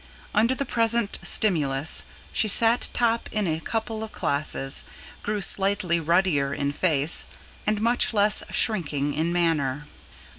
Under the present stimulus she sat top in a couple of classes, grew slightly ruddier in face, and much less shrinking in manner.